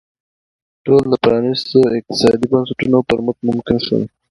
ټول د پرانیستو اقتصادي بنسټونو پر مټ ممکن شول.